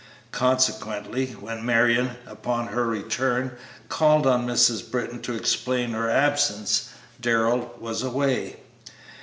Consequently when Marion, upon her return, called on Mrs. Britton to explain her absence, Darrell was away.